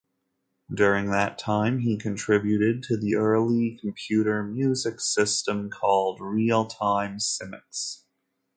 During that time, he contributed to the early computer music system called Real-time Cmix.